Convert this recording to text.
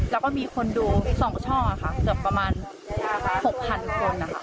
แล้วก็มีคนดู๒ช่องค่ะเกือบประมาณ๖๐๐๐คนนะคะ